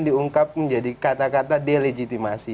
diungkap menjadi kata kata delegitimasi